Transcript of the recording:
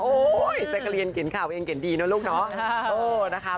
โอ้ยแจกรียนเกลียนข่าวเองเกลียนดีเนอะลูกเนอะ